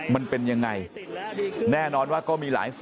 มันเป็นยังไงแน่นอนว่าก็มีหลายสิบ